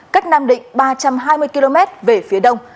cách nam định ba trăm hai mươi km về phía đông